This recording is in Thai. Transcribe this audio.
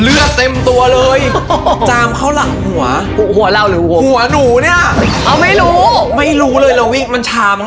เลือดเต็มตัวเลยจามเขาหลังหัวหัวหนูเนี่ยไม่รู้เลยเราวิ่งมันช้ามาก